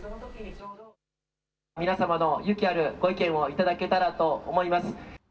皆様の勇気あるご意見をいただけたらと思います。